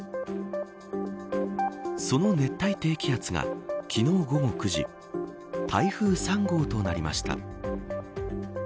その熱帯低気圧が昨日、午後９時台風３号となりました。